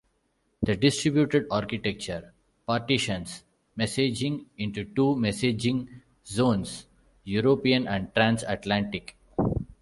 The distributed architecture partitions messaging into two messaging zones: European and Trans-Atlantic.